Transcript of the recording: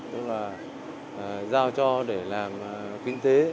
tức là giao cho để làm kinh tế